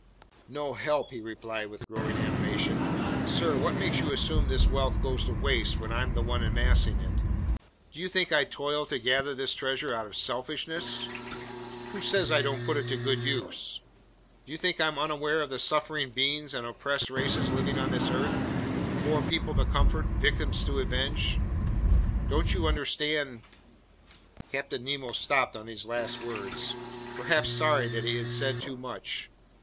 "No help!" he replied with growing animation. "Sir, what makes you assume this wealth goes to waste when I'm the one amassing it? Do you think I toil to gather this treasure out of selfishness? Who says I don't put it to good use? Do you think I'm unaware of the suffering beings and oppressed races living on this earth, poor people to comfort, victims to avenge? Don't you understand ...?" Captain Nemo stopped on these last words, perhaps sorry that he had said too much.